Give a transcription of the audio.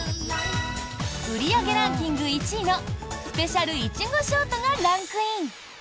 売り上げランキング１位のスペシャル苺ショートがランクイン。